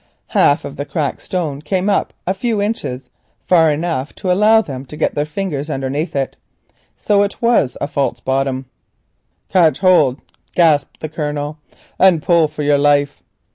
Half of the cracked stone came up a few inches, far enough to allow them to get their fingers underneath it. So it was a false bottom. "Catch hold," gasped the Colonel, "and pull for your life."